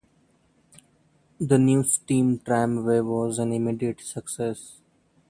The new steam tramway was an immediate success.